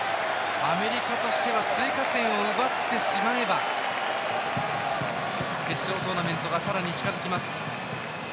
アメリカとしては追加点を奪ってしまえば決勝トーナメントがさらに近づきます。